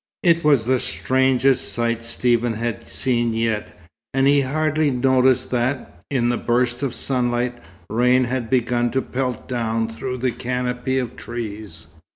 It was the strangest sight Stephen had seen yet, and he hardly noticed that, in a burst of sunlight, rain had begun to pelt down through the canopy of trees.